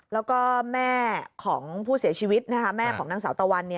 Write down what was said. แล้วก็แม่ของผู้เสียชีวิตแม่ของนางสาวตะวัน